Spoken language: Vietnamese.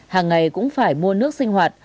hàng ngày cũng phải mua nước sinh hoạt